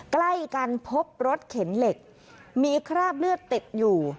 ใกล้กันพบรถเข็นเหล็กมีคราบเลือดติดอยู่